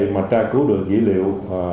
mà tra cứu được dữ liệu